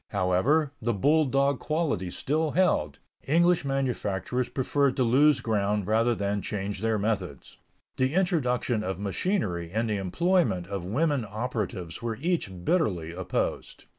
However, the bulldog quality still held; English manufacturers preferred to lose ground rather than change their methods. The introduction of machinery and the employment of women operatives were each bitterly opposed.